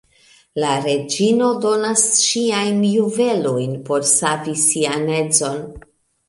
La reĝino donas ŝiajn juvelojn por savi sian edzon.